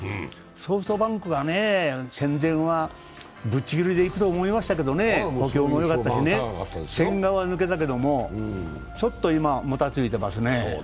ソフトバンクが戦前はぶっちぎりでいくと思いましたけど千賀は抜けたけども、ちょっと今もたついてますね。